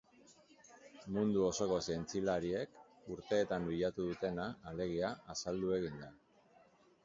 Mundu osoko zientzialariek urteetan bilatu dutena, alegia, azaldu egin da.